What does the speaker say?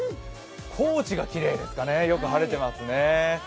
高知がきれいですかね、よく晴れてますね。